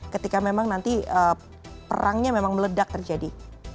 ketika memang nanti perangnya memang meledak terjadi